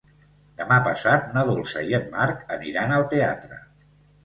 Demà passat na Dolça i en Marc aniran al teatre.